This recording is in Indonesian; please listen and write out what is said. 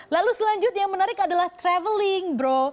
lalu selanjutnya yang menarik adalah traveling bro